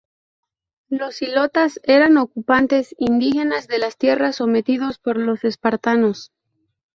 Los ilotas eran ocupantes "indígenas" de las tierras sometidos por los espartanos.